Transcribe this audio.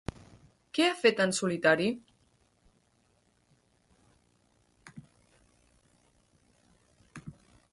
Què ha fet en solitari?